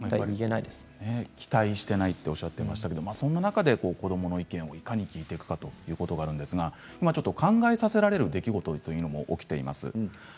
期待していないとおっしゃっていましたけれどもその中で子どもの意見をいかに聞いていくかということがあるんですが考えさせられる出来事というのも起きています。